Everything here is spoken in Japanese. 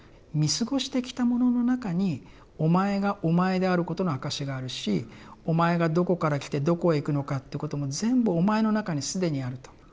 見過ごしてきたものの中にお前がお前であることの証しがあるしお前がどこから来てどこへ行くのかっていうことも全部お前の中に既にあると。